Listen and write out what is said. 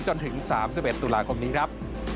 จนถึง๓๑ตุลาคมนี้ครับ